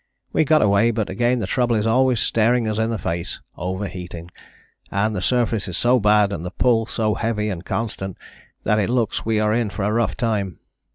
We got away but again the trouble is always staring us in the face, overheating, and the surface is so bad and the pull so heavy and constant that it looks we are in for a rough time.